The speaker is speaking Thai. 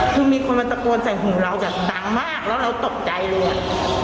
คือมีคนมาตะโกนใส่หูเราแบบดังมากแล้วเราตกใจเลย